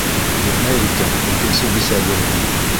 Бирмәй икән, икенсе бисә бирһен!